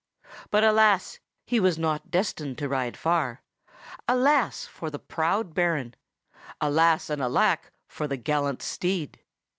But, alas! he was not destined to ride far. Alas for the proud Baron! Alas and alack for the gallant steed!